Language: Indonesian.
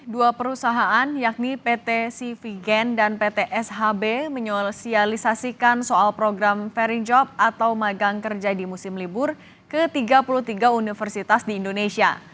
dua perusahaan yakni pt cv gen dan pt shb menyosialisasikan soal program ferry job atau magang kerja di musim libur ke tiga puluh tiga universitas di indonesia